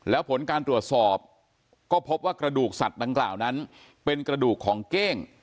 แล้วผลการตรวจสอบก็พบว่ากระดูกสัตว์ดังกล่าวนั้นเป็นกระดูกของเก้ง